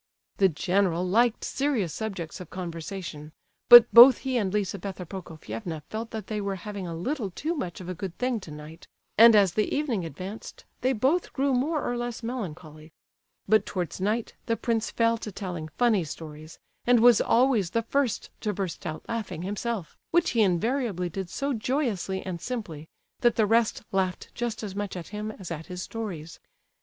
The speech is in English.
The general liked serious subjects of conversation; but both he and Lizabetha Prokofievna felt that they were having a little too much of a good thing tonight, and as the evening advanced, they both grew more or less melancholy; but towards night, the prince fell to telling funny stories, and was always the first to burst out laughing himself, which he invariably did so joyously and simply that the rest laughed just as much at him as at his stories.